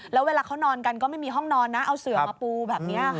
แล้วเวลาเขานอนกันก็ไม่มีห้องนอนนะเอาเสือมาปูแบบนี้ค่ะ